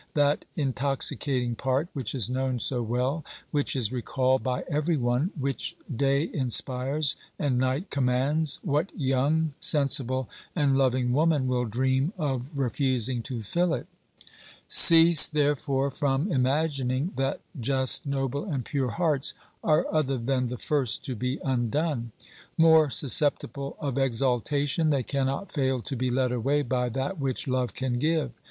That intoxicating part, which is known so well, which is recalled by every one, which day inspires and night commands, what young, sensible and loving woman will dream of refusing to fill it ? OBERMANN 341 "Cease, therefore, from imagining that just, noble and pure hearts are other than the first to be undone. More susceptible of exaltation, they cannot fail to be led away by that which love can give.